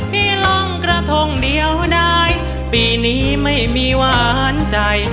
พี่ลองกระทงเดียวได้ปีนี้ไม่มีหวานใจ